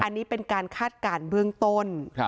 อันนี้เป็นการคาดการณ์เบื้องต้น